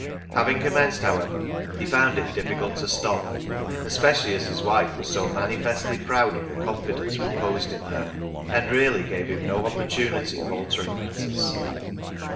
Having commenced, however, he found it difficult to stop, especially as his wife was so manifestly proud of the confidence reposed in FOR BETTER, FOR WORSE 167 her, and really gave him no opportunity of altering matters.